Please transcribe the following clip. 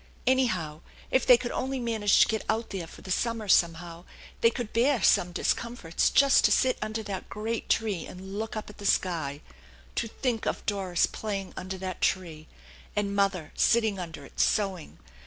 Anyhow, if they could only manage to get out there for the summer somehow, they could bear some discomforts just to sit under that great tree andf look up at the sky. To think of Doris playing under that tree! And mother sitting under it sewing!